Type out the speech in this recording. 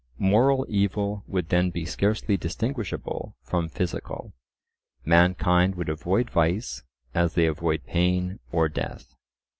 Moral evil would then be scarcely distinguishable from physical; mankind would avoid vice as they avoid pain or death.